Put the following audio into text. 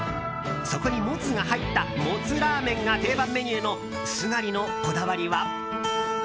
そこに、もつが入ったもつらーめんが定番メニューのすがりのこだわりは。